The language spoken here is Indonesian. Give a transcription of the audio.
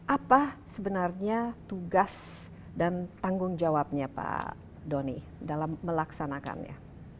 apa sebenarnya tugas dan tanggung jawabnya pak doni dalam melaksanakannya